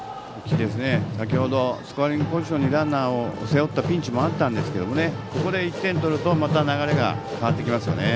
先ほどスコアリングポジションにランナーを背負ったピンチもあったんですけどここで１点を取るとまた流れが変わってきますね。